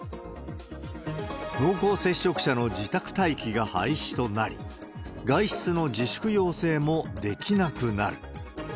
濃厚接触者の自宅待機が廃止となり、外出の自粛要請もできなくなる。